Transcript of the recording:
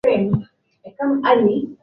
Nilishiba sana leo.